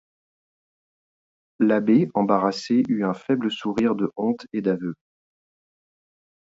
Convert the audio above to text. L'abbé, embarrassé, eut un faible sourire de honte et d'aveu.